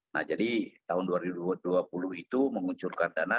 nah jadi tahun dua ribu dua puluh itu menguncurkan dana